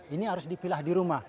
ini harus dipilah di rumah